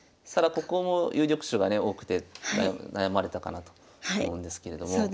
ただここも有力手がね多くて悩まれたかなと思うんですけれども。